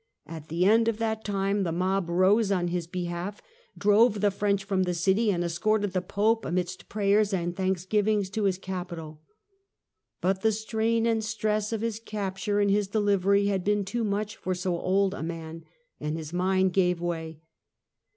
At the end of that time, the mob rose on his behalf, drove the French from the city, and escorted the Pope, amidst prayers and thanksgivings to his capital. But the strain and stress of his capture and his delivery had been too much for so old a man, and his mind gave way.